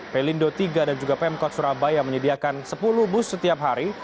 pelindo tiga dan juga pemkot surabaya menyediakan sepuluh bus setiap hari